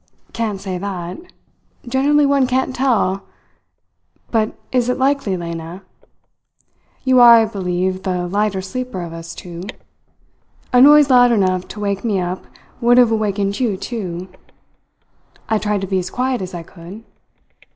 "Can't say that. Generally one can't tell, but is it likely, Lena? You are, I believe, the lighter sleeper of us two. A noise loud enough to wake me up would have awakened you, too. I tried to be as quiet as I could.